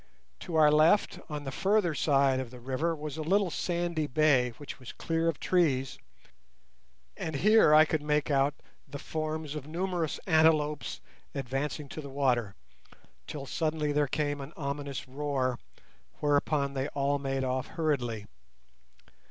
To our left, on the further side of the river, was a little sandy bay which was clear of trees, and here I could make out the forms of numerous antelopes advancing to the water, till suddenly there came an ominous roar, whereupon they all made off hurriedly.